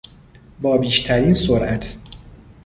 با بیشترین سرعت